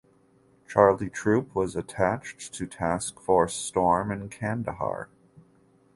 Charlie Troop was attached to Task Force Storm in Kandahar.